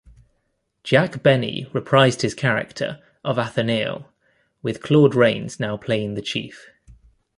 Jack Benny reprised his character of Athanael, with Claude Rains now playing the Chief.